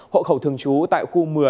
hộ khẩu thường trú tại khu một mươi